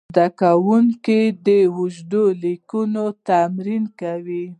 زده کوونکي د اوږدو لیکنو تمرین کاوه.